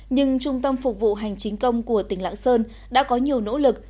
nhưng trung tâm phục vụ hành chính công của tỉnh lạng sơn đã có nhiều nỗ lực